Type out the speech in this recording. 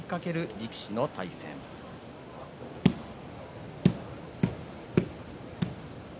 力士の対戦です。